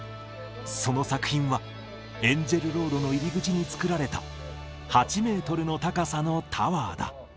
その作品は、エンジェルロードの入り口に作られた、８メートルの高さのタワーだ。